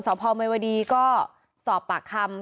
สพมวดีก็สอบปากคำ